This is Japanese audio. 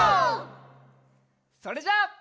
それじゃあ。